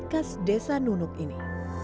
khas desa nunuk ini